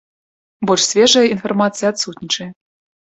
Больш свежая інфармацыя адсутнічае.